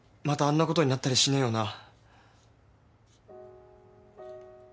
またあんなことになったりしねえよな？